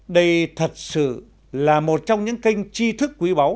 đây thật sự là một trong những kênh chi thức quý báu